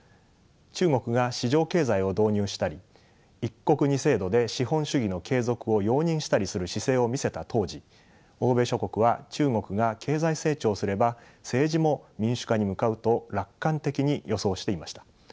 中国が市場経済を導入したり「一国二制度」で資本主義の継続を容認したりする姿勢を見せた当時欧米諸国は中国が経済成長すれば政治も民主化に向かうと楽観的に予想していました。